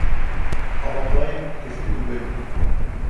— Ҡабатлайым: кеше түгел.